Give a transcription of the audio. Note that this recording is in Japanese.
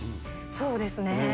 そうですね。